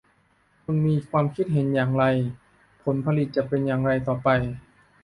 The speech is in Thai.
คุณมีความคิดเห็นอย่างไร ผลผลิตจะเป็นอย่างไรต่อไป